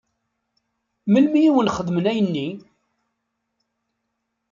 Melmi i wen-xedmen ayenni?